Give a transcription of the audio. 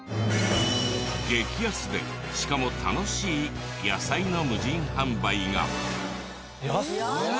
激安でしかも楽しい野菜の無人販売が。